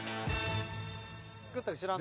作ったん知らんな。